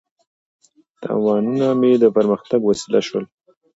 تاوانونه مې د پرمختګ وسیله شول.